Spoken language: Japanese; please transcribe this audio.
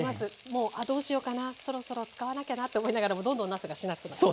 もうあどうしようかなそろそろ使わなきゃなと思いながらもどんどんなすがしなってくる。